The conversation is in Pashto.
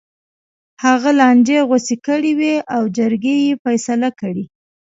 هغه لانجې غوڅې کړې وې او جرګې یې فیصله کړې.